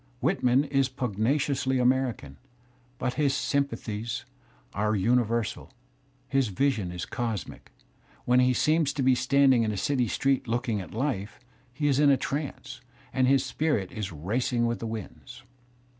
Whit , man is pugnaciously American, but his sympathies are univer sal, his vision is cosmic; when he seems to be standing in a city street looking at life, he is in a trance, and his spirit is racing with the winds.